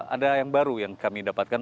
ada yang baru yang kami dapatkan